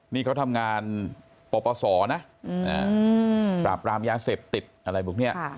นี่เขาทำงานปปศนะปราบรามยาเสพติดอะไรพวกนี้